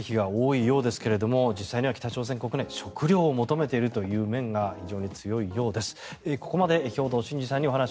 非常に軍事面の問題が多いようですが実際には北朝鮮国内食糧を求めている面が非常に強いようです。